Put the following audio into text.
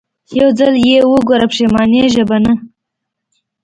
يو ځل يې وګوره پښېمانېږې به نه.